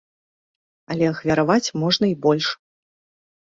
Але ахвяраваць можна і больш.